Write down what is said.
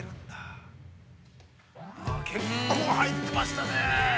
◆結構入ってましたね。